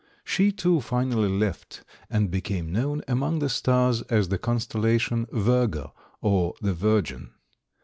She, too, finally left, and became known among the stars as the constellation Virgo, or the Virgin.